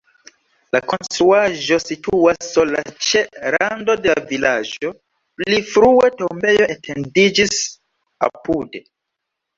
La konstruaĵo situas sola ĉe rando de la vilaĝo, pli frue tombejo etendiĝis apude.